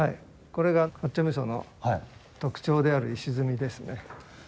これが八丁味噌の特徴である石積みですね。